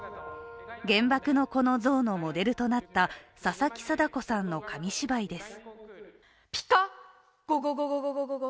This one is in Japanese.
原爆の子の像のモデルとなった佐々木禎子さんの紙芝居です。